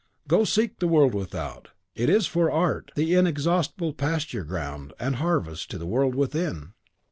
Go, seek the world without; it is for art the inexhaustible pasture ground and harvest to the world within!"